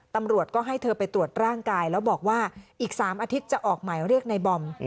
ตำรวจก็ให้เธอไปตรวจร่างกายแล้วบอกว่าอีก๓อาทิตย์จะออกหมายเรียกในบอม